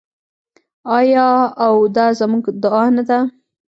آیا او دا زموږ دعا نه ده؟